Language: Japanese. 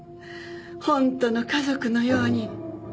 ホントの家族のように。